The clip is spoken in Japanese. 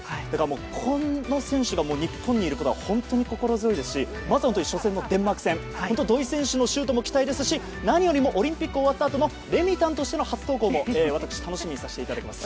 こんな選手が日本にいることが本当に心強いですしまさに初戦のデンマーク戦土井選手のシュートも期待ですし何よりもオリンピック終わったあとのレミたんとしての初投稿も私は楽しみにさせていただきます。